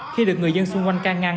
khi được người dân xung quanh ca ngăn